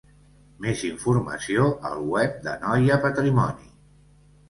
Més informació al web d'Anoia Patrimoni.